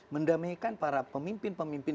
mendamaikan para pemimpin pemimpin